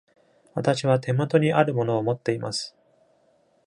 私は手元にあるものを持っています。